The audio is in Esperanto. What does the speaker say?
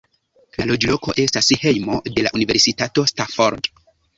La loĝloko estas hejmo de la Universitato Stanford.